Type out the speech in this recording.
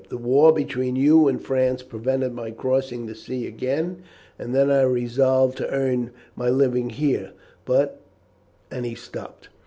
The war between you and France prevented my crossing the sea again, and then I resolved to earn my living here, but " and he stopped.